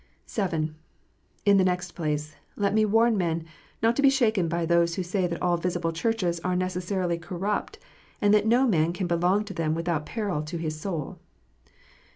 (7) In the next place, let me warn men not to be shaken by those who say that all visible Churches are necessarily corrupt, and that no man can belong to them without peril to his soul.